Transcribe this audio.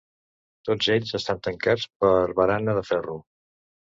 Tots ells estan tancats per barana de ferro.